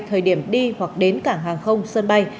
thời điểm đi hoặc đến cảng hàng không sân bay